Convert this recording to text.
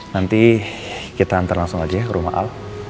nanti kita ntar langsung aja ya ke rumah al